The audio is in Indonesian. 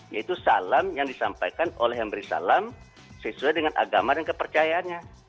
yaitu salam yang disampaikan oleh yang beri salam sesuai dengan agama dan kepercayaannya